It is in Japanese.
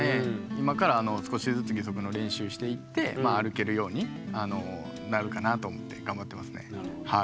今から少しずつ義足の練習していって歩けるようになるかなと思って頑張ってますねはい。